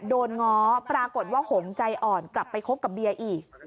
ง้อปรากฏว่าหงใจอ่อนกลับไปคบกับเบียร์อีก